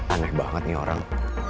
aneh banget nih orang